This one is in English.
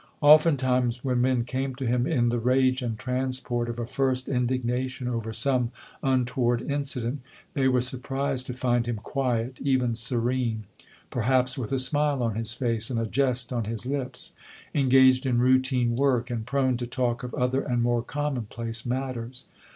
Oftentimes, when men came to him in the rage and transport of a first indignation over some untoward incident, they were surprised to find him quiet, even serene, — perhaps with a smile on his face and a jest on his lips, — engaged in routine work, and prone to talk of other and more commonplace matters.